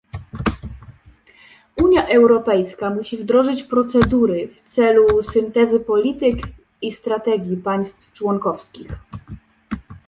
Unia Europejska musi wdrożyć procedury w celu syntezy polityk i strategii państw członkowskich